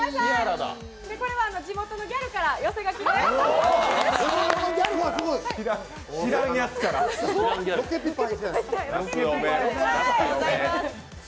これは地元のギャルから寄せ書きです。